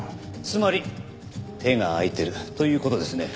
つまり手が空いてるという事ですね。